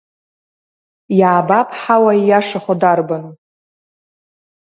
Иаабап ҳауа ииашахо дарбану?